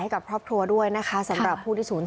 มีความลับผิดสารครับ